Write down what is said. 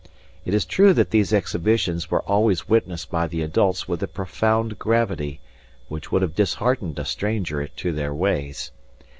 It is true that these exhibitions were always witnessed by the adults with a profound gravity, which would have disheartened a stranger to their ways.